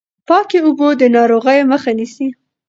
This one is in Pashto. پاکې اوبه د ناروغیو مخه نيسي.